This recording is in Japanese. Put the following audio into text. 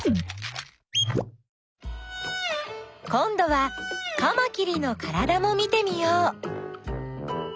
こんどはカマキリのからだも見てみよう。